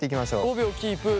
５秒キープ。